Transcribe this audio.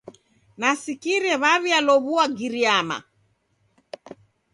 Nasikire wa'w'ialow'ua Giriyama.